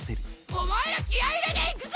お前ら気合入れて行くぞ！